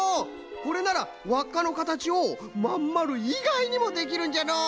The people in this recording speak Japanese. これならわっかのかたちをまんまるいがいにもできるんじゃのう！